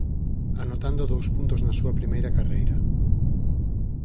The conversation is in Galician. Anotando dous puntos na súa primeira carreira.